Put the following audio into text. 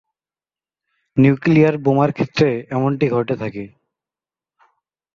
Nuclear বোমার ক্ষেত্রে এমনটি ঘটে থাকে।